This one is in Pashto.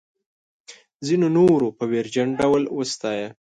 ځینو نورو په ویرجن ډول وستایه.